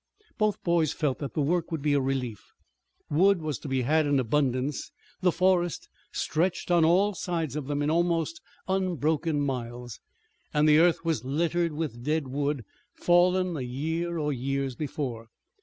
Both boys felt that the work would be a relief. Wood was to be had in abundance. The forest stretched on all sides of them in almost unbroken miles, and the earth was littered with dead wood fallen a year or years before.